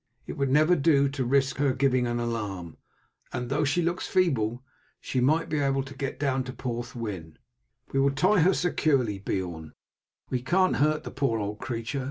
"It would never do to risk her giving an alarm, and though she looks feeble she might be able to get down to Porthwyn." "We will tie her securely, Beorn; we can't hurt the poor old creature.